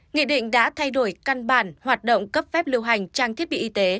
nghị định đã thay đổi căn bản hoạt động cấp phép lưu hành trang thiết bị y tế